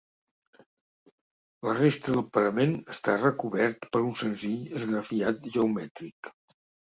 La resta del parament està recobert per un senzill esgrafiat geomètric.